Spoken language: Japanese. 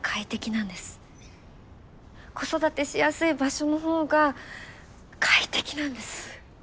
子育てしやすい場所のほうが快適なんです。